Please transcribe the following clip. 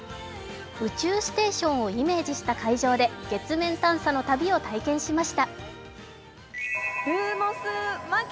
宇宙ステーションをイメージした会場で月面探査の旅を体験しました。